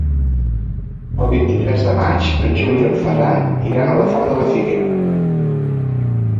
El vint-i-tres de maig en Juli i en Ferran iran a la Font de la Figuera.